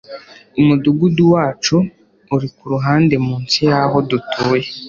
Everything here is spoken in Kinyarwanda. Umudugudu wacu uri kuruhande munsi yaho dutuye